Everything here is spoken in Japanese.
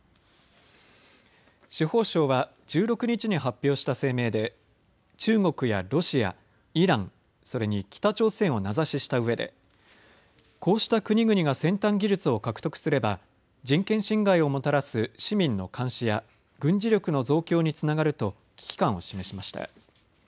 司法省は１６日に発表した声明で中国やロシア、イラン、それに北朝鮮を名指ししたうえでこうした国々が先端技術を獲得すれば人権侵害をもたらす市民の監視や軍事力の増強につながると危機感を示しました。